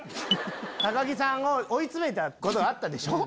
高木さんを追い詰めたことあったでしょ。